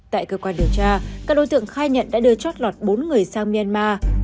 tại cơ quan điều tra các đối tượng khai nhận đã đưa chót lọt bốn người sang myanmar